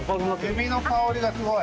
エビの香りがすごい。